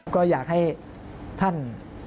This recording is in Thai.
ก็อยากให้ท่านดูแลสุขภาพ